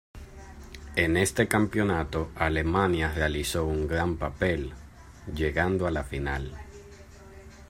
En este campeonato Alemania realizó un gran papel, llegando a la final.